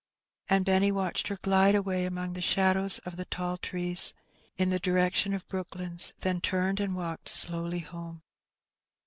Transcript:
And Benny watched er glide away among the shadows of the tall trees, in the ^iirection of Brooklands, then turned and walked slowly home.